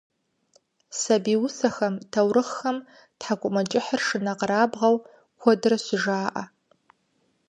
Сабий усэхэм, таурыхъхэм тхьэкIумэкIыхьыр шынэкъэрабгъэу куэдрэ щыжаIэ.